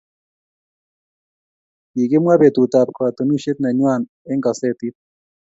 kikimwa betut ab katunishet nenywan eng kasetit